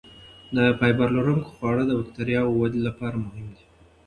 فایبر لرونکي خواړه د بکتریاوو ودې لپاره مهم دي.